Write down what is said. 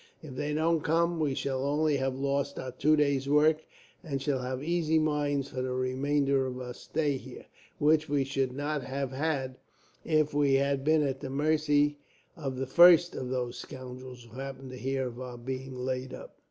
If they don't come, we shall only have lost our two days' work, and shall have easy minds for the remainder of our stay here; which we should not have had, if we had been at the mercy of the first of those scoundrels who happened to hear of our being laid up."